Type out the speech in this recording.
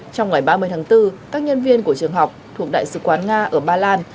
trong ngày ba mươi tháng bốn các nhân viên của trường học thuộc đại sứ quán nga ở ba lan